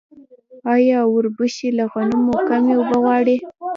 آیا وربشې له غنمو کمې اوبه غواړي؟